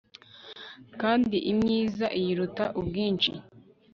kandi imyiza iyiruta ubwinshi